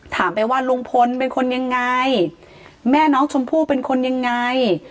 ถามไปว่าลุงพลเป็นคนยังไงแม่น้องชมพู่เป็นคนยังไง